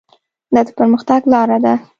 دا د پرمختګ لاره ده.